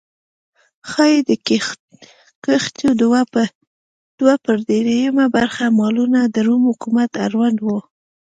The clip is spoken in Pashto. ښايي د کښتیو دوه پر درېیمه برخه مالونه د روم حکومت اړوند و